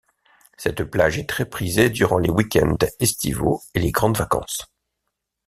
Cette plage est très prisée durant les week-ends estivaux et les grandes vacances.